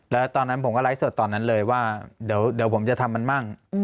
แล้วตอนนั้นผมก็ไลฟ์สดตอนนั้นเลยว่าเดี๋ยวผมจะทำมันมั่ง